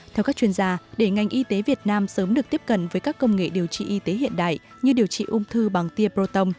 theo các chuyên gia để ngành y tế việt nam sớm được tiếp cận với các công nghệ điều trị y tế hiện đại như điều trị ung thư bằng tia proton